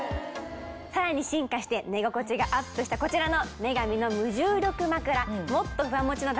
さらに進化して寝心地がアップしたこちらの。